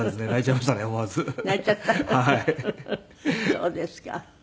そうですか。